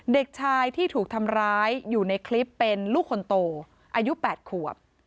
เด็กชายที่ถูกทำร้ายอยู่ในคลิปเป็นลูกคนโตอายุ๘ขวบ